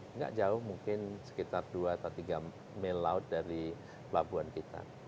nggak jauh mungkin sekitar dua atau tiga mil laut dari pelabuhan kita